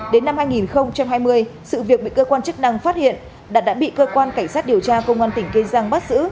đến năm hai nghìn hai mươi sự việc bị cơ quan chức năng phát hiện đạt đã bị cơ quan cảnh sát điều tra công an tỉnh kê giang bắt giữ